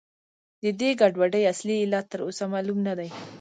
د دې ګډوډۍ اصلي علت تر اوسه معلوم نه دی.